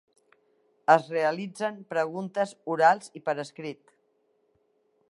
Es realitzen preguntes orals i per escrit.